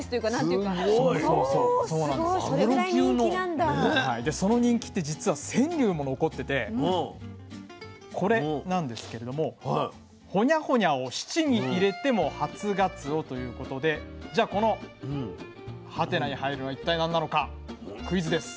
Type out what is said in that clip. でその人気って実は川柳も残っててこれなんですけれども「ホニャホニャを質に入れても初がつお」ということでじゃあこのハテナに入るのは一体何なのかクイズです。